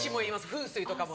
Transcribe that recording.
風水とかも。